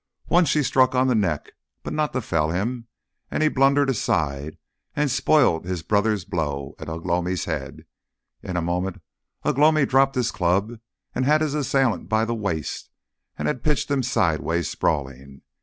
One she struck on the neck, but not to fell him, and he blundered aside and spoilt his brother's blow at Ugh lomi's head. In a moment Ugh lomi dropped his club and had his assailant by the waist, and had pitched him sideways sprawling.